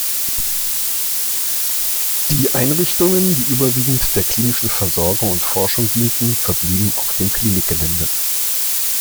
Die Einrichtungen, die überwiegend der klinischen Versorgung und Forschung dienten, verblieben auf dem Klinikgelände.